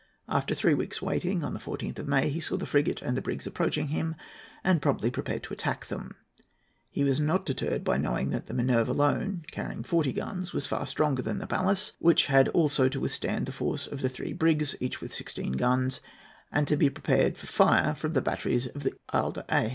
After three weeks' waiting, on the 14th of May, he saw the frigate and the brigs approaching him, and promptly prepared to attack them. He was not deterred by knowing that the Minerve alone, carrying forty guns, was far stronger than the Pallas, which had also to withstand the force of the three brigs, each with sixteen guns, and to be prepared for the fire of the batteries on the Isle d'Aix.